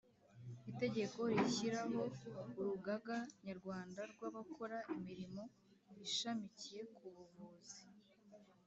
Itegeko rishyiraho Urugaga Nyarwanda rw abakora imirimo ishamikiye ku buvuzi